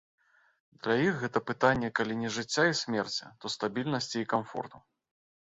Для іх гэта пытанне калі не жыцця і смерці, то стабільнасці і камфорту.